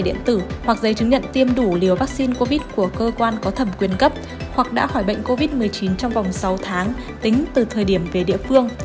điện tử hoặc giấy chứng nhận tiêm đủ liều vaccine covid của cơ quan có thẩm quyền cấp hoặc đã khỏi bệnh covid một mươi chín trong vòng sáu tháng tính từ thời điểm về địa phương